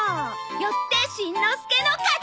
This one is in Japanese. よってしんのすけの勝ち！